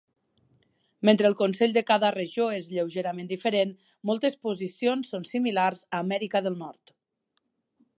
Mentre el consell de cada regió és lleugerament diferent, moltes posicions són similars a Amèrica del Nord.